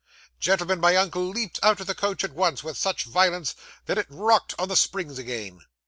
Gentlemen, my uncle leaped out of the coach at once, with such violence that it rocked on the springs again.